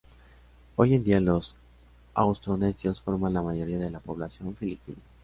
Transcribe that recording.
Hoy en día los austronesios forman la mayoría de la población filipina.